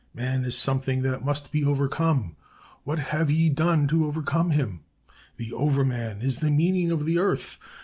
Man is something that must be overcome. What have ye done to overcome him?... The Over man is the meaning of the Earth....